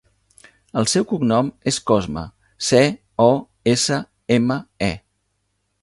El seu cognom és Cosme: ce, o, essa, ema, e.